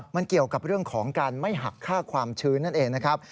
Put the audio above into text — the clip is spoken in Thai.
มันเกี่ยวกับเรื่องของการไม่หักค่าความชื้นนั่นเองนะครับ